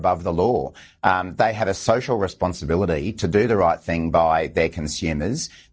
mereka memiliki tanggung jawab sosial untuk melakukan hal yang benar oleh pengguna mereka